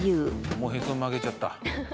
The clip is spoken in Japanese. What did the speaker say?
もうへそ曲げちゃった。